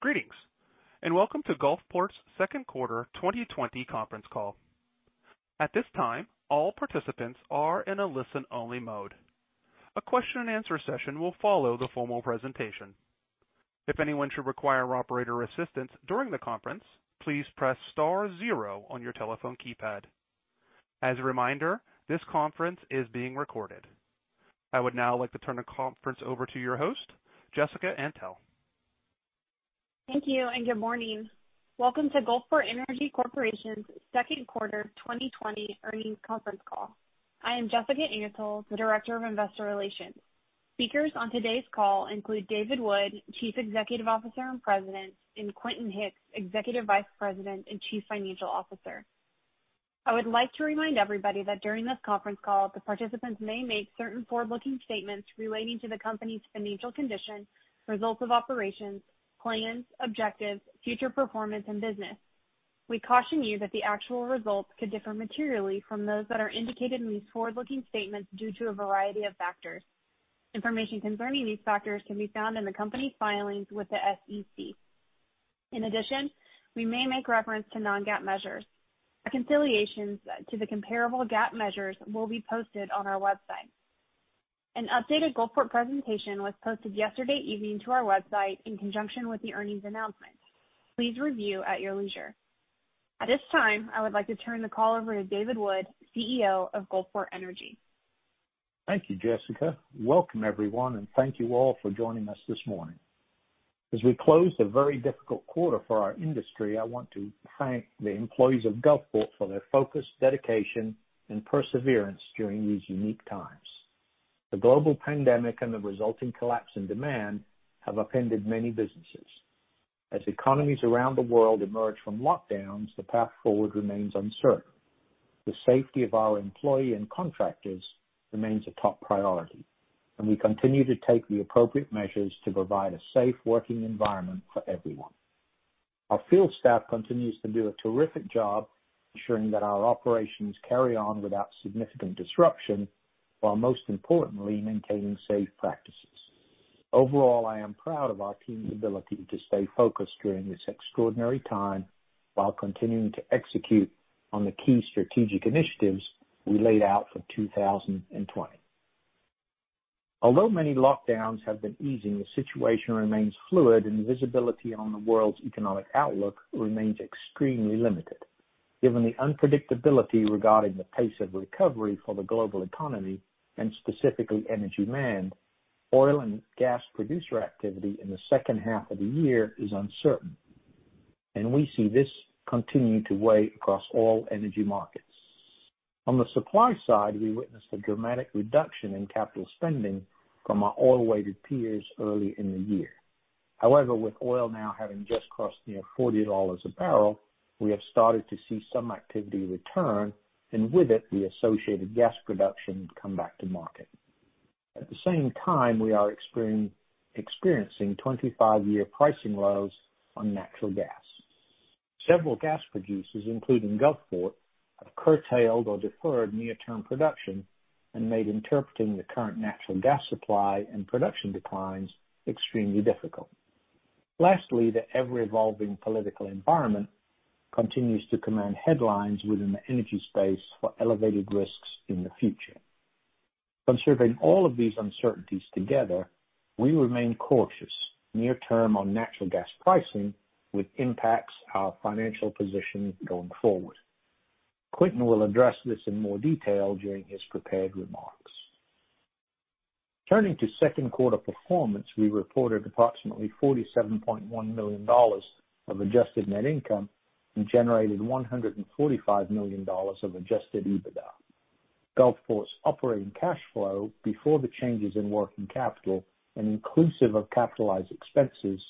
Greetings, and welcome to Gulfport's second quarter 2020 conference call. At this time, all participants are in a listen-only mode. A question-and-answer session will follow the formal presentation. If anyone should require operator assistance during the conference, please press star zero on your telephone keypad. As a reminder, this conference is being recorded. I would now like to turn the conference over to your host, Jessica Antle. Thank you, and good morning. Welcome to Gulfport Energy Corporation's second quarter 2020 earnings conference call. I am Jessica Antle, the Director of Investor Relations. Speakers on today's call include David Wood, Chief Executive Officer and President, and Quentin Hicks, Executive Vice President and Chief Financial Officer. I would like to remind everybody that during this conference call, the participants may make certain forward-looking statements relating to the company's financial condition, results of operations, plans, objectives, future performance, and business. We caution you that the actual results could differ materially from those that are indicated in these forward-looking statements due to a variety of factors. Information concerning these factors can be found in the company's filings with the SEC. In addition, we may make reference to non-GAAP measures. Reconciliations to the comparable GAAP measures will be posted on our website. An updated Gulfport presentation was posted yesterday evening to our website in conjunction with the earnings announcement. Please review at your leisure. At this time, I would like to turn the call over to David Wood, CEO of Gulfport Energy. Thank you, Jessica. Welcome everyone, and thank you all for joining us this morning. As we close a very difficult quarter for our industry, I want to thank the employees of Gulfport for their focus, dedication, and perseverance during these unique times. The global pandemic and the resulting collapse in demand have upended many businesses. As economies around the world emerge from lockdowns, the path forward remains uncertain. The safety of our employee and contractors remains a top priority, and we continue to take the appropriate measures to provide a safe working environment for everyone. Our field staff continues to do a terrific job ensuring that our operations carry on without significant disruption, while most importantly, maintaining safe practices. Overall, I am proud of our team's ability to stay focused during this extraordinary time while continuing to execute on the key strategic initiatives we laid out for 2020. Although many lockdowns have been easing, the situation remains fluid, and visibility on the world's economic outlook remains extremely limited. Given the unpredictability regarding the pace of recovery for the global economy and specifically energy demand, oil and gas producer activity in the second half of the year is uncertain, and we see this continuing to weigh across all energy markets. On the supply side, we witnessed a dramatic reduction in capital spending from our oil-weighted peers early in the year. However, with oil now having just crossed near $40 a barrel, we have started to see some activity return, and with it, the associated gas production come back to market. At the same time, we are experiencing 25-year pricing lows on natural gas. Several gas producers, including Gulfport, have curtailed or deferred near-term production and made interpreting the current natural gas supply and production declines extremely difficult. Lastly, the ever-evolving political environment continues to command headlines within the energy space for elevated risks in the future. Considering all of these uncertainties together, we remain cautious near term on natural gas pricing, which impacts our financial position going forward. Quentin will address this in more detail during his prepared remarks. Turning to second quarter performance, we reported approximately $47.1 million of adjusted net income and generated $145 million of adjusted EBITDA. Gulfport's operating cash flow before the changes in working capital and inclusive of capitalized expenses,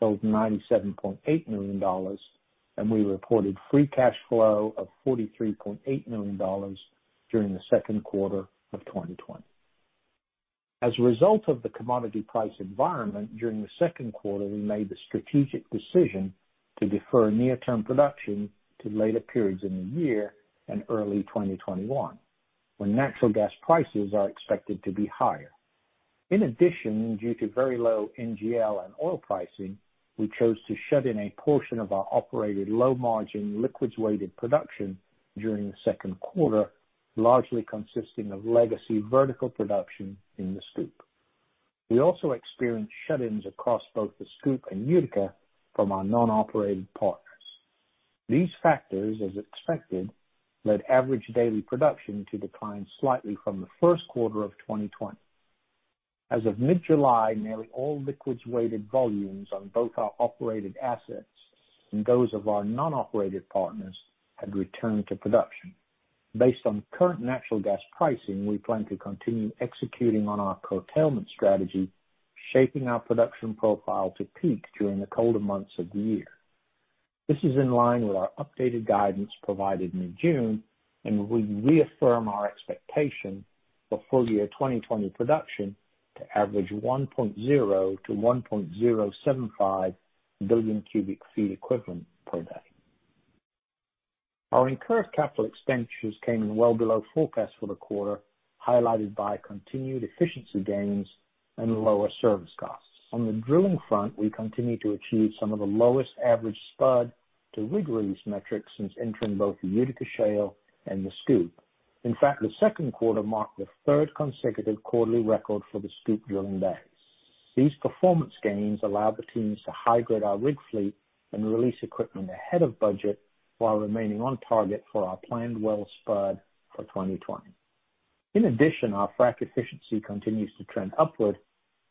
showed $97.8 million, and we reported free cash flow of $43.8 million during the second quarter of 2020. As a result of the commodity price environment during the second quarter, we made the strategic decision to defer near-term production to later periods in the year and early 2021, when natural gas prices are expected to be higher. In addition, due to very low NGL and oil pricing, we chose to shut in a portion of our operated low-margin liquids-weighted production during the second quarter, largely consisting of legacy vertical production in the SCOOP. We also experienced shut-ins across both the SCOOP and Utica from our non-operated partners. These factors, as expected, led average daily production to decline slightly from the first quarter of 2020. As of mid-July, nearly all liquids-weighted volumes on both our operated assets and those of our non-operated partners had returned to production. Based on current natural gas pricing, we plan to continue executing on our curtailment strategy, shaping our production profile to peak during the colder months of the year. This is in line with our updated guidance provided in June, and we reaffirm our expectation for full-year 2020 production to average 1.0 billion-1.075 billion cubic feet equivalent per day. Our incurred capital expenditures came in well below forecast for the quarter, highlighted by continued efficiency gains and lower service costs. On the drilling front, we continue to achieve some of the lowest average spud-to-rig release metrics since entering both the Utica Shale and the SCOOP. In fact, the second quarter marked the third consecutive quarterly record for the SCOOP drilling days. These performance gains allowed the teams to high-grade our rig fleet and release equipment ahead of budget while remaining on target for our planned well spud for 2020. In addition, our frac efficiency continues to trend upward,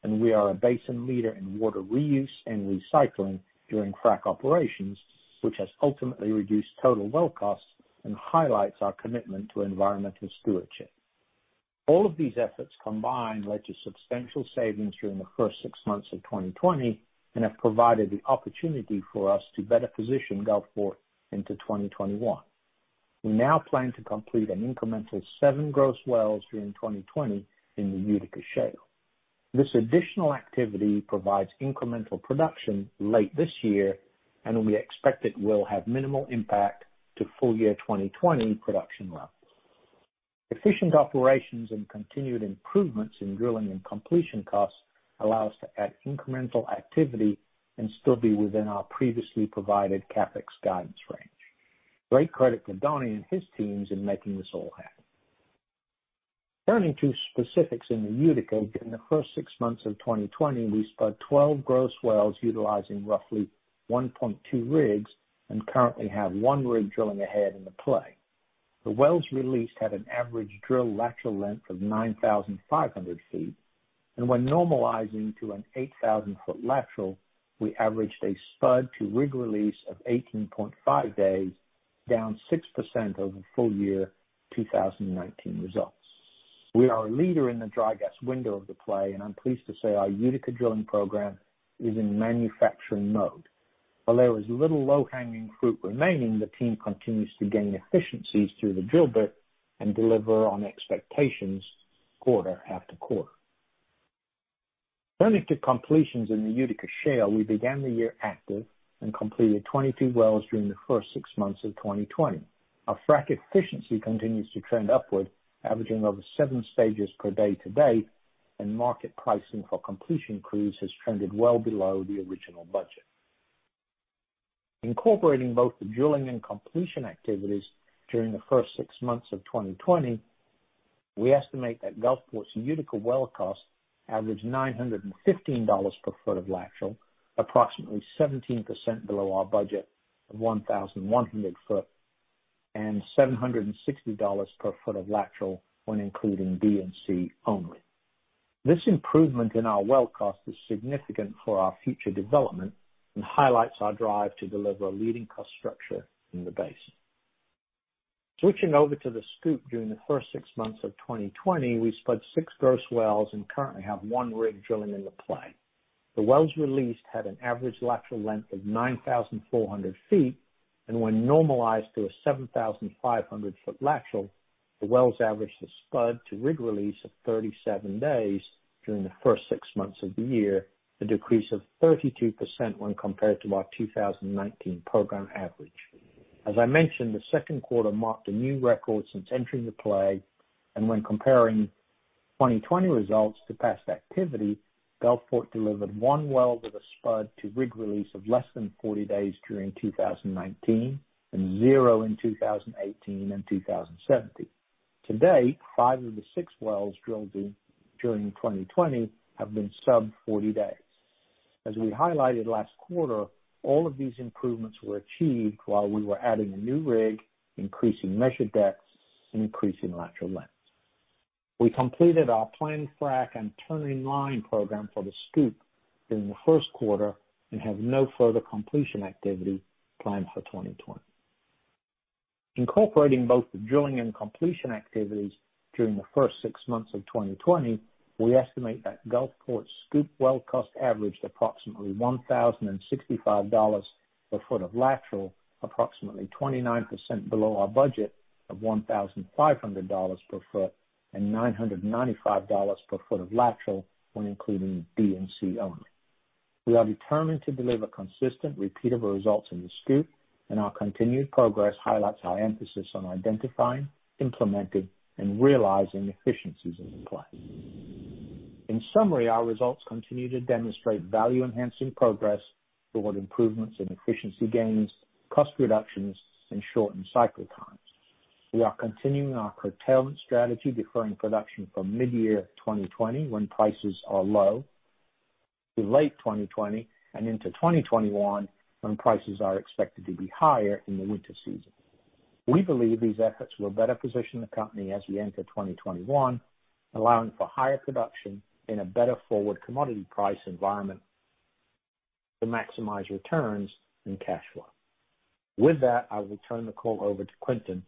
and we are a basin leader in water reuse and recycling during frac operations, which has ultimately reduced total well costs and highlights our commitment to environmental stewardship. All of these efforts combined led to substantial savings during the first six months of 2020 and have provided the opportunity for us to better position Gulfport Energy into 2021. We now plan to complete an incremental seven gross wells during 2020 in the Utica Shale. This additional activity provides incremental production late this year, and we expect it will have minimal impact to full-year 2020 production levels. Efficient operations and continued improvements in drilling and completion costs allow us to add incremental activity and still be within our previously provided CapEx guidance range. Great credit to Donnie and his teams in making this all happen. Turning to specifics in the Utica, during the first six months of 2020, we spud 12 gross wells utilizing roughly 1.2 rigs and currently have one rig drilling ahead in the play. The wells released had an average drill lateral length of 9,500 feet, and when normalizing to an 8,000-foot lateral, we averaged a spud-to-rig release of 18.5 days, down 6% over full-year 2019 results. We are a leader in the dry gas window of the play, and I'm pleased to say our Utica drilling program is in manufacturing mode. While there is little low-hanging fruit remaining, the team continues to gain efficiencies through the drill bit and deliver on expectations quarter after quarter. Turning to completions in the Utica Shale, we began the year active and completed 22 wells during the first six months of 2020. Our frac efficiency continues to trend upward, averaging over seven stages per day to date, and market pricing for completion crews has trended well below the original budget. Incorporating both the drilling and completion activities during the first six months of 2020, we estimate that Gulfport's Utica well cost averaged $915 per foot of lateral, approximately 17% below our budget of $1,100 foot, and $760 per foot of lateral when including D&C only. This improvement in our well cost is significant for our future development and highlights our drive to deliver a leading cost structure in the basin. Switching over to the SCOOP during the first six months of 2020, we spud six gross wells and currently have one rig drilling in the play. The wells released had an average lateral length of 9,400 feet, and when normalized to a 7,500-foot lateral, the wells averaged a spud-to-rig release of 37 days during the first six months of the year, a decrease of 32% when compared to our 2019 program average. As I mentioned, the second quarter marked a new record since entering the play, and when comparing 2020 results to past activity, Gulfport delivered one well with a spud-to-rig release of less than 40 days during 2019 and zero in 2018 and 2017. To date, five of the six wells drilled during 2020 have been sub 40 days. As we highlighted last quarter, all of these improvements were achieved while we were adding a new rig, increasing measured depths, and increasing lateral lengths. We completed our planned frac and turn-in-line program for the SCOOP during the first quarter and have no further completion activity planned for 2020. Incorporating both the drilling and completion activities during the first six months of 2020, we estimate that Gulfport's SCOOP well cost averaged approximately $1,065 per foot of lateral, approximately 29% below our budget of $1,500 per foot, and $995 per foot of lateral when including D&C only. We are determined to deliver consistent, repeatable results in the SCOOP, and our continued progress highlights our emphasis on identifying, implementing, and realizing efficiencies in the play. In summary, our results continue to demonstrate value-enhancing progress toward improvements in efficiency gains, cost reductions, and shortened cycle times. We are continuing our curtailment strategy, deferring production from mid-year 2020, when prices are low, to late 2020 and into 2021, when prices are expected to be higher in the winter season. We believe these efforts will better position the company as we enter 2021, allowing for higher production in a better forward commodity price environment to maximize returns and cash flow. With that, I will turn the call over to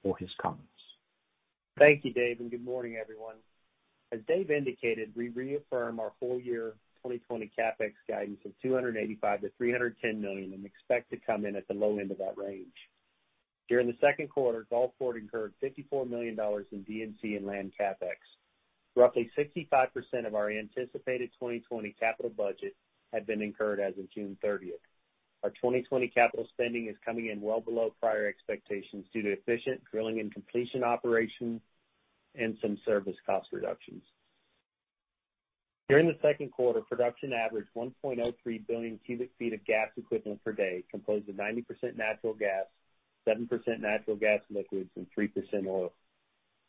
Quentin for his comments. Thank you, Dave. Good morning, everyone. As Dave indicated, we reaffirm our full-year 2020 CapEx guidance of $285 million-$310 million and expect to come in at the low end of that range. During the second quarter, Gulfport incurred $54 million in D&C and land CapEx. Roughly 65% of our anticipated 2020 capital budget had been incurred as of June 30th. Our 2020 capital spending is coming in well below prior expectations due to efficient drilling and completion operations and some service cost reductions. During the second quarter, production averaged 1.03 billion cubic feet of gas equivalent per day, composed of 90% natural gas, 7% natural gas liquids, and 3% oil.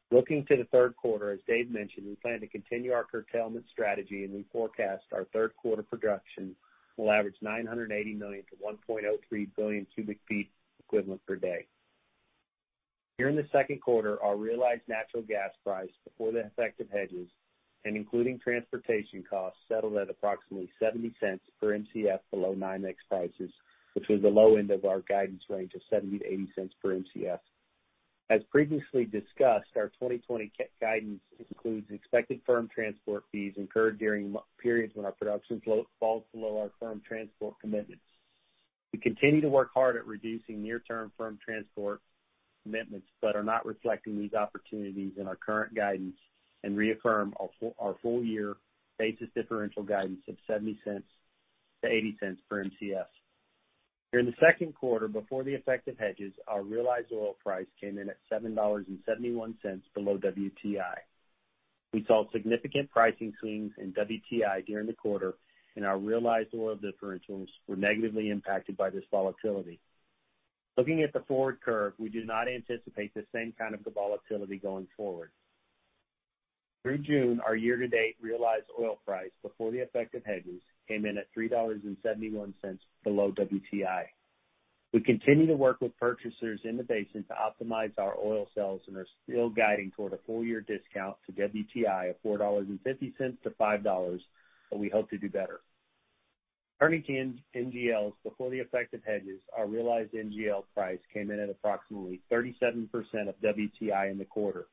Looking to the third quarter, as Dave mentioned, we plan to continue our curtailment strategy, and we forecast our third quarter production will average 980 million to 1.03 billion cubic feet equivalent per day. During the second quarter, our realized natural gas price before the effect of hedges and including transportation costs settled at approximately $0.70 per Mcf below NYMEX prices, which was the low end of our guidance range of $0.70-$0.80 per Mcf. As previously discussed, our 2020 guidance includes expected firm transport fees incurred during periods when our production falls below our firm transport commitments. We continue to work hard at reducing near-term firm transport commitments, are not reflecting these opportunities in our current guidance and reaffirm our full-year basis differential guidance of $0.70-$0.80 per Mcf. During the second quarter, before the effect of hedges, our realized oil price came in at $7.71 below WTI. We saw significant pricing swings in WTI during the quarter, our realized oil differentials were negatively impacted by this volatility. Looking at the forward curve, we do not anticipate the same kind of volatility going forward. Through June, our year-to-date realized oil price before the effect of hedges came in at $3.71 below WTI. We continue to work with purchasers in the basin to optimize our oil sales and are still guiding toward a full-year discount to WTI of $4.50-$5, but we hope to do better. Turning to NGLs before the effect of hedges, our realized NGL price came in at approximately 37% of WTI in the quarter.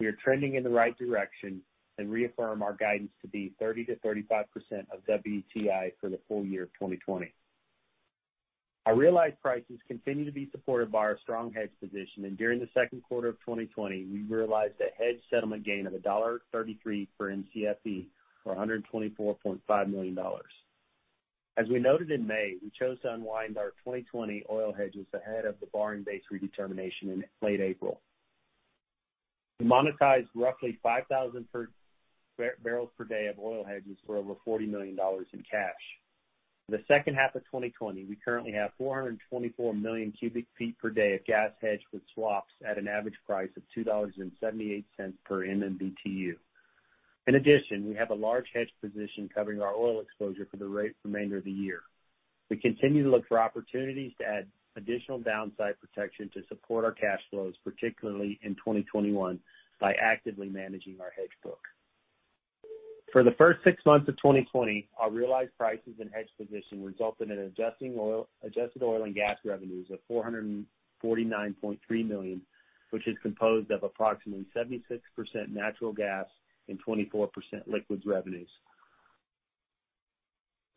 We are trending in the right direction and reaffirm our guidance to be 30%-35% of WTI for the full-year of 2020. Our realized prices continue to be supported by our strong hedge position, and during the second quarter of 2020, we realized a hedge settlement gain of $1.33 per Mcfe for $124.5 million. As we noted in May, we chose to unwind our 2020 oil hedges ahead of the borrowing base redetermination in late April. We monetized roughly 5,000 barrels per day of oil hedges for over $40 million in cash. For the second half of 2020, we currently have 424 million cubic feet per day of gas hedged with swaps at an average price of $2.78 per MMBtu. In addition, we have a large hedge position covering our oil exposure for the remainder of the year. We continue to look for opportunities to add additional downside protection to support our cash flows, particularly in 2021, by actively managing our hedge book. For the first six months of 2020, our realized prices and hedge position resulted in adjusted oil and gas revenues of $449.3 million, which is composed of approximately 76% natural gas and 24% liquids revenues.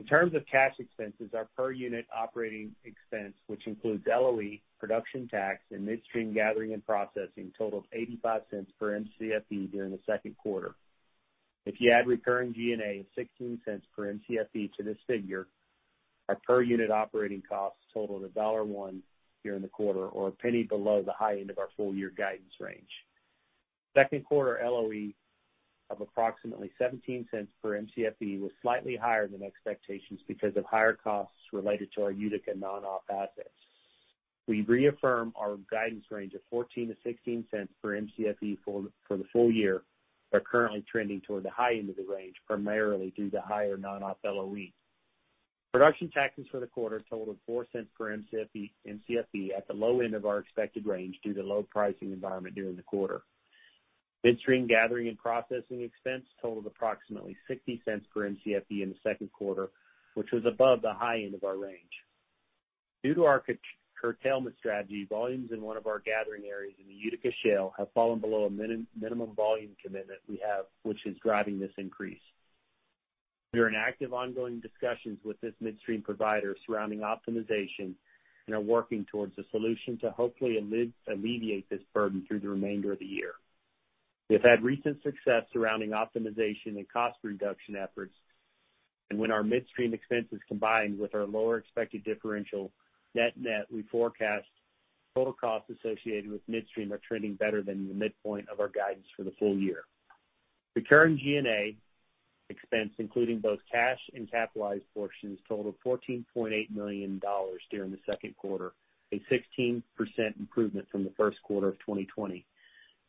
In terms of cash expenses, our per-unit operating expense, which includes LOE, production tax, and midstream gathering and processing, totaled $0.85 per Mcfe during the second quarter. If you add recurring G&A of $0.16 per Mcfe to this figure, our per-unit operating costs totaled $1.01 during the quarter or $0.01 below the high end of our full-year guidance range. Second quarter LOE of approximately $0.17 per Mcfe was slightly higher than expectations because of higher costs related to our Utica non-op assets. We reaffirm our guidance range of $0.14-$0.16 per Mcfe for the full-year, but are currently trending toward the high end of the range, primarily due to higher non-op LOE. Production taxes for the quarter totaled $0.04 per Mcfe at the low end of our expected range due to low pricing environment during the quarter. Midstream gathering and processing expense totaled approximately $0.60 per Mcfe in the second quarter, which was above the high end of our range. Due to our curtailment strategy, volumes in one of our gathering areas in the Utica Shale have fallen below a minimum volume commitment we have, which is driving this increase. We are in active, ongoing discussions with this midstream provider surrounding optimization and are working towards a solution to hopefully alleviate this burden through the remainder of the year. When our midstream expenses combined with our lower expected differential net net, we forecast total costs associated with midstream are trending better than the midpoint of our guidance for the full-year. Recurring G&A expense, including both cash and capitalized portions, totaled $14.8 million during the second quarter, a 16% improvement from the first quarter of 2020.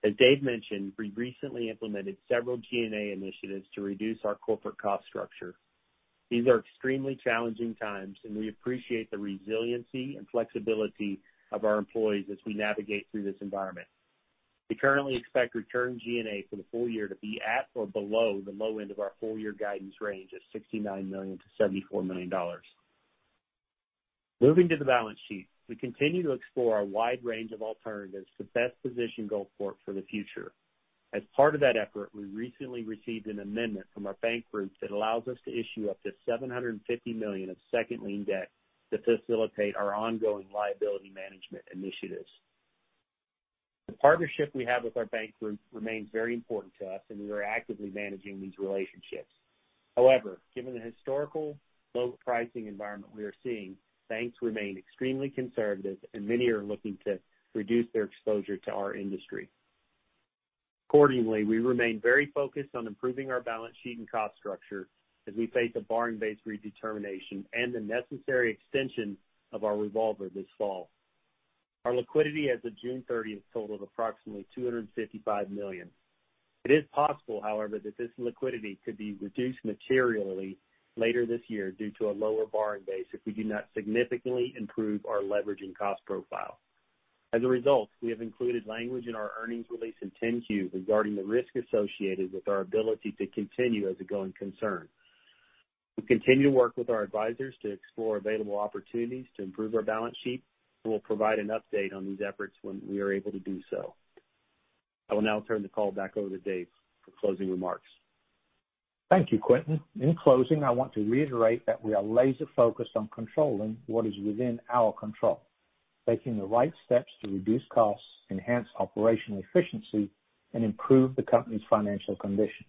As Dave mentioned, we recently implemented several G&A initiatives to reduce our corporate cost structure. These are extremely challenging times, and we appreciate the resiliency and flexibility of our employees as we navigate through this environment. We currently expect recurring G&A for the full-year to be at or below the low end of our full-year guidance range of $69 million-$74 million. Moving to the balance sheet. We continue to explore a wide range of alternatives to best position Gulfport for the future. As part of that effort, we recently received an amendment from our bank group that allows us to issue up to $750 million of second lien debt to facilitate our ongoing liability management initiatives. The partnership we have with our bank group remains very important to us, and we are actively managing these relationships. However, given the historical low pricing environment we are seeing, banks remain extremely conservative, and many are looking to reduce their exposure to our industry. Accordingly, we remain very focused on improving our balance sheet and cost structure as we face a borrowing base redetermination and the necessary extension of our revolver this fall. Our liquidity as of June 30th totaled approximately $255 million. It is possible, however, that this liquidity could be reduced materially later this year due to a lower borrowing base if we do not significantly improve our leverage and cost profile. As a result, we have included language in our earnings release and 10-Q regarding the risk associated with our ability to continue as a going concern. We continue to work with our advisors to explore available opportunities to improve our balance sheet, and we'll provide an update on these efforts when we are able to do so. I will now turn the call back over to Dave for closing remarks. Thank you, Quentin. In closing, I want to reiterate that we are laser-focused on controlling what is within our control, taking the right steps to reduce costs, enhance operational efficiency, and improve the company's financial condition.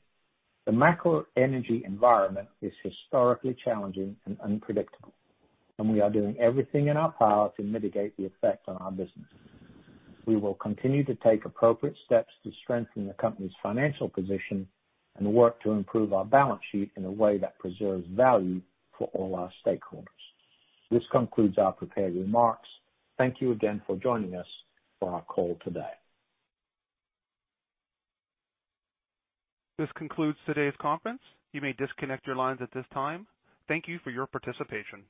The macro energy environment is historically challenging and unpredictable, and we are doing everything in our power to mitigate the effect on our business. We will continue to take appropriate steps to strengthen the company's financial position and work to improve our balance sheet in a way that preserves value for all our stakeholders. This concludes our prepared remarks. Thank you again for joining us for our call today. This concludes today's conference. You may disconnect your lines at this time. Thank you for your participation.